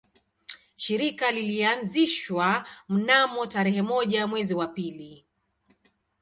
Shirika lilianzishwa mnamo tarehe moja mwezi wa pili